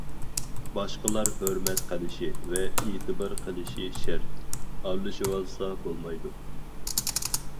باشقىلار ھۆرمەت قىلىشى ۋە ئېتىبار قىلىشى شەرت، ئارىلىشىۋالسا بولمايدۇ.